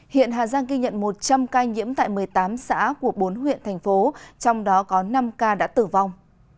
hiện hà giang ghi nhận một trăm linh ca nhiễm tại một mươi tám xã của bốn huyện thành phố trong đó có năm ca đã tử vong